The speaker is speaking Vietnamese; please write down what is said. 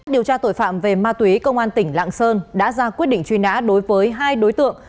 điều tra tội phạm về ma túy công an tỉnh lạng sơn đã ra quyết định truy nã đối với hai đối tượng